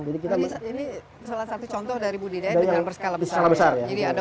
jadi ini salah satu contoh dari budidaya dengan berskala besar